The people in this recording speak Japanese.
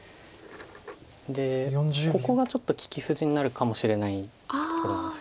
でここがちょっと利き筋になるかもしれないところなんです。